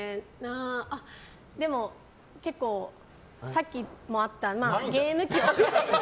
結構さっきもあったゲーム機。